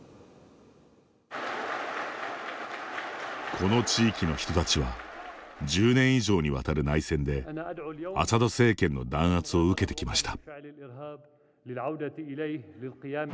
この地域の人たちは１０年以上にわたる内戦でアサド政権の弾圧を受けてきました。